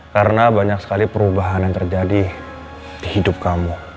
karena banyak sekali perubahan yang terjadi di hidup kamu